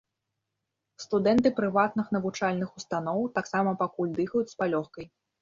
Студэнты прыватных навучальных устаноў таксама пакуль дыхаюць з палёгкай.